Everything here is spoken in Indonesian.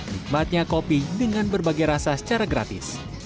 nikmatnya kopi dengan berbagai rasa secara gratis